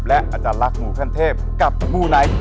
และอาจารย์รักหมูขั้นเทพกับหมูไหน